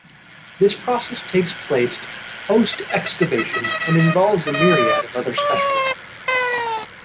This process takes place post-excavation and involves a myriad of other specialists.